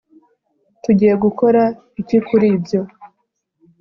Tugiye gukora iki kuri ibyo